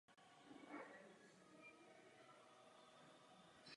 Velká část jeho díla zůstala jen v rukopisné formě.